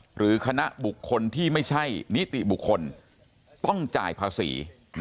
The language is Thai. หรือคณะบุคคลที่ไม่ใช่นิติบุคคลต้องจ่ายภาษี